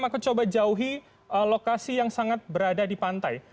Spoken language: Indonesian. maka coba jauhi lokasi yang sangat berada di pantai